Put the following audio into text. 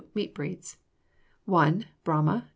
Meat Breeds 1. Brahma.